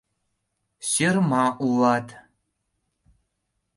Сӧрма улат!